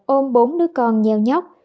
ôm bốn đứa con nheo nhóc